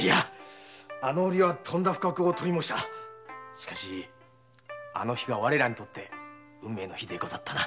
しかしあの日が我らにとって運命の日でござったな。